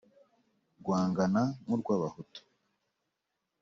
rwangana nku rwa bahutu